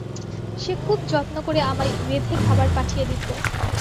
সে খুব যত্ন করে আমায় রেঁধে খাবার পাঠিয়ে দিত।